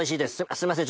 すいません